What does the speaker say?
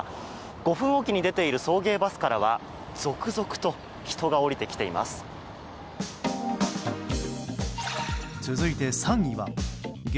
５分おきに出ている送迎バスからは続々と人が降りてきています。